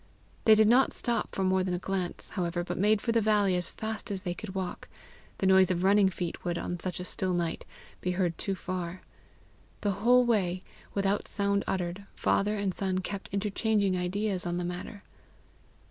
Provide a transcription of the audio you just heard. They did not stop for more than a glance, however, but made for the valley as fast as they could walk: the noise of running feet would, on such a still night, be heard too far. The whole way, without sound uttered, father and son kept interchanging ideas on the matter.